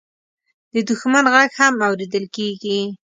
د دښمن غږ هم اورېدل کېږي.